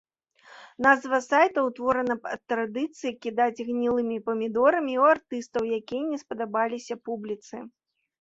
Назва сайта ўтворана ад традыцыі кідаць гнілымі памідорамі ў артыстаў, якія не спадабаліся публіцы.